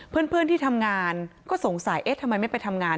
เพื่อนที่ทำงานก็สงสัยเอ๊ะทำไมไม่ไปทำงาน